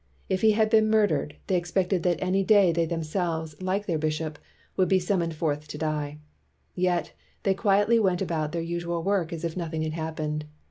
If he had been mur dered, they expected that any day they them selves, like their bishop, would be sum moned forth to die; yet they quietly went about their usual work as if nothing had happened.